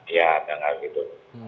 ya dengan hal itu